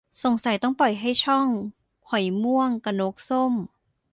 สงสัยต้องปล่อยให้ ช่อง หอยม่วง กะ นกส้ม